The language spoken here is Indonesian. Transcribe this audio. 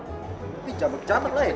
ini cabut cabut lah ya